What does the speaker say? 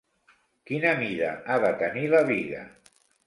Quina mida ha de tenir la biga?